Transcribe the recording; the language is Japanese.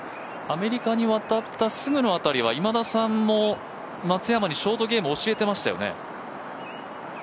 アメリカに渡ったすぐの辺りは今田さんも松山にショートゲーム教えてましたよね。